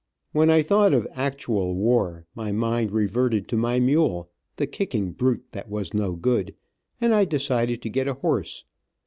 When I thought of actual war, my mind reverted to my mule, the kicking brute that was no good, and I decided to get a horse.